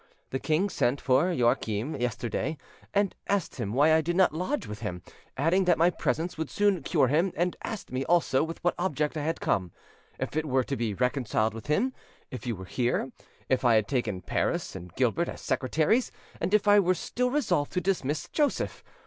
The king sent for Joachim yesterday, and asked him why I did not lodge with him, adding that my presence would soon cure him, and asked me also with what object I had come: if it were to be reconciled with him; if you were here; if I had taken Paris and Gilbert as secretaries, and if I were still resolved to dismiss Joseph?